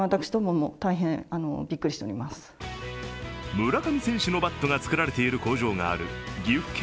村上選手のバットが作られている工場がある岐阜県